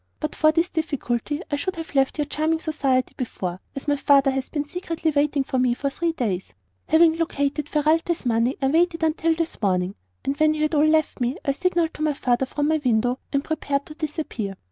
"But for this difficulty I should have left your charming society before, as my father has been secretly waiting for me for three days. Having located Ferralti's money I waited until this morning and when you had all left me I signalled to my father from my window and prepared to disappear.